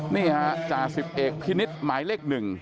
นี่ฮะจ่าสิบเอกพินิษฐ์หมายเลข๑